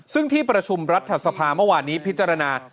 ซึ่งที่ประชุมรัฐสภาเมื่อวานนี้พิจารณา